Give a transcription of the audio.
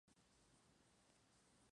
What's Wrong with Angry?